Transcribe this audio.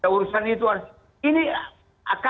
urusan itu ini ialah yang kita lakukan